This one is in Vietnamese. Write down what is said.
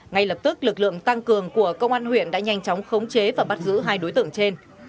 ngay lập tức lực lượng tăng cường của công an huyện đã nhanh chóng khống chế và bắt giữ hai đối tượng trên